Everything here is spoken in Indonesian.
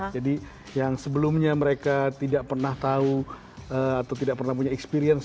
jadi yang sebelumnya mereka tidak pernah tahu atau tidak pernah punya experience